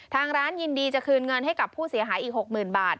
ทางร้านยินดีจะคืนเงินให้กับผู้เสียหายอีก๖๐๐๐บาท